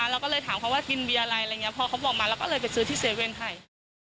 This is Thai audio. เราก็เลยถามเขาว่ากินเบียร์อะไรอะไรอย่างนี้พอเขาบอกมาเราก็เลยไปซื้อที่๗๑๑ให้